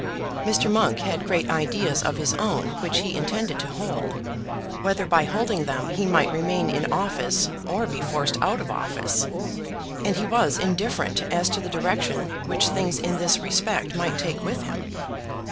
Mr. Monk had great ideas of his own which he intended to hold, whether by holding them he might remain in office or be forced out of office; and he was indifferent as to the direction which things in this respect might take with him.